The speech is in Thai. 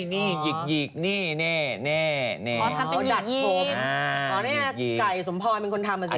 อ๋อนี้ใกล่สมพลอยเป็นคนทำอะสิ